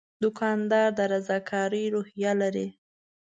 دوکاندار د رضاکارۍ روحیه لري.